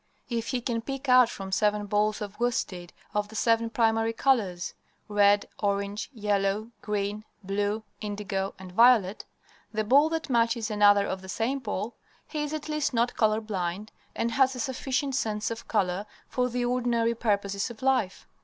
If he can pick out from seven balls of worsted of the seven primary colors red, orange, yellow, green, blue, indigo, and violet the ball that matches another of the same color, he is at least not color blind and has a sufficient sense of color for the ordinary purposes of life.